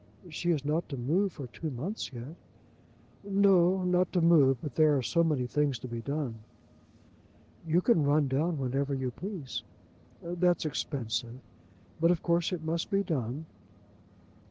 "She is not to move for two months yet." "No, not to move; but there are so many things to be done." "You can run down whenever you please?" "That's expensive; but of course it must be done."